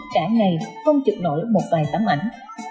cả ngày không chụp nổi một vài tấm ảnh